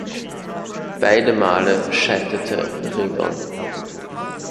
Beide Male scheiterte Redon.